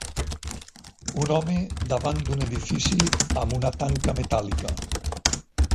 Un home davant d"un edifici amb una tanca metàl·lica.